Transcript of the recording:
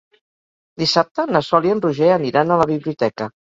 Dissabte na Sol i en Roger aniran a la biblioteca.